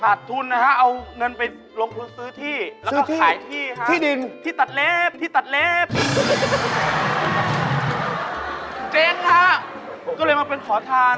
นั่นจะไปถึงจนหรอครับ